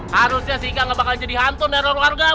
harusnya si ika gak bakalan jadi hantu dan meneror warga benar gak